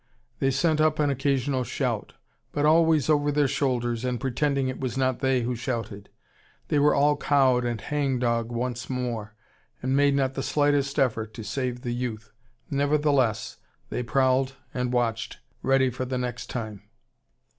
They sent up an occasional shout. But always over their shoulders, and pretending it was not they who shouted. They were all cowed and hang dog once more, and made not the slightest effort to save the youth. Nevertheless, they prowled and watched, ready for the next time.